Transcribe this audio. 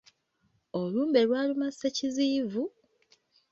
Olumbe lwaluma Ssekiziyivu!